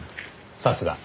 さすが。